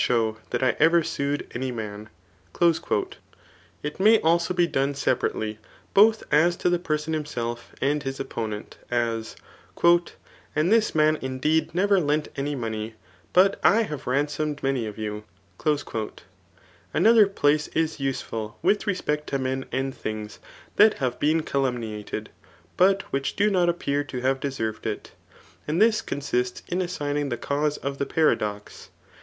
show that I ever sued any man/' It may also be done sqnu rately both, as to the person himself and his opponent) as, ^' And this man indeed never lent any money, but I have ransomed many of you.'' Another place is. usafiil with respect to men and things that have been calum niated, but which do not appear to have deserved it ; and this consists in assigning the cause of the paradox.